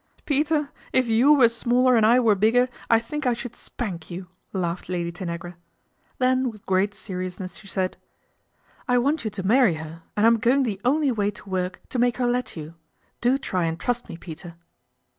" Peter, if you were smaller and I were bigger I think I should spank you," laughed Lady Tanagra. Then with great seriousness she said, " I warn you to marry her, and I'm going the only way to work to make her let you. Do try and trust me, Peter."